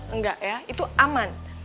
enggak ya itu aman